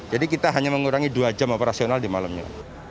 jadi kita hanya mengurangi dua jam operasional di malamnya